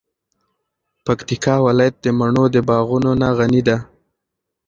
پکتیکا ولایت د مڼو د باغونو نه غنی ده.